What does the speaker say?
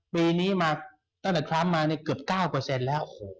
ปีนี้มาตั้งแต่ทรัมป์มาเนี่ยเกือบ๙แล้ว